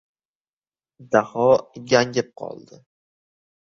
Daho gangib qoldi.